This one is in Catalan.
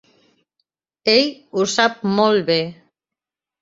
Ell ho sap molt bé.